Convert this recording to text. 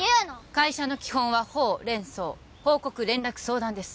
会社の基本はホウ・レン・ソウ報告・連絡・相談です